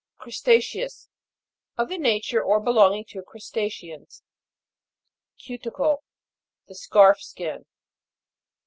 CRUSTA'CEOUS. Of the nature, or belonging to Crustaceans. CU'TICLE. The scarf skin.